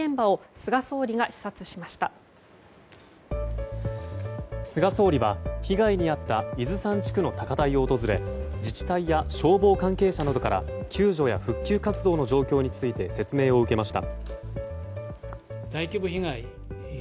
菅総理は、被害に遭った伊豆山地区の高台を訪れ自治体や消防関係者などから救助や復旧活動の状況について説明を受けました。